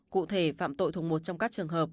cụ thể phạm tội thuộc một trong các trường hợp